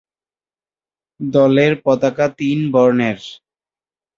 দলের পতাকা তিন বর্ণের।